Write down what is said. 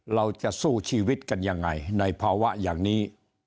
เราจะสู้ชีวิตกันยังไงในภาวะอย่างนี้